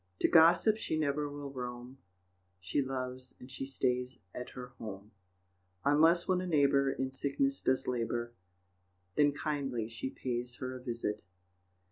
To gossip she never will roam, She loves, and she stays at, her home, Unless when a neighbour In sickness does labour, Then, kindly, she pays her a visit.